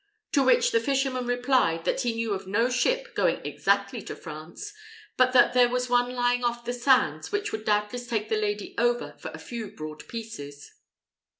To which the fisherman replied, that he knew of no ship going exactly to France, but that there was one lying off the sands, which would doubtless take the lady over for a few broad pieces.